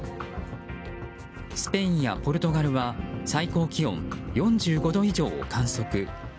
スペインやポルトガルは最高気温４５度以上を観測。